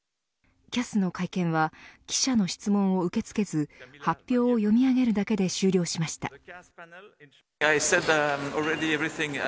ＣＡＳの会見は記者の質問は受け付けず発表を読み上げるだけで終了しました。